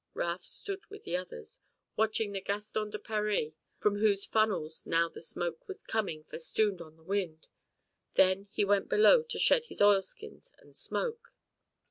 Raft stood with the others, watching the Gaston de Paris from whose funnels now the smoke was coming festooned on the wind, then he went below to shed his oilskins and smoke.